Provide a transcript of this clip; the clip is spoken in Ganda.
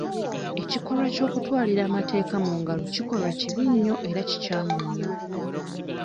Ekikolwa ky'okutwalira amateeka mu ngalo kikolwa kibi nnyo era kikyamu nnyo.